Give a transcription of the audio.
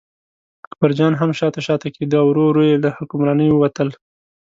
اکبرجان هم شاته شاته کېده او ورو ورو له حکمرانۍ ووتل.